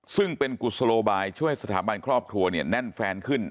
ซึ่งเป็นกุศโลบายช่วยสถาบันครอบครัวเนี่ยแน่นแฟนขึ้น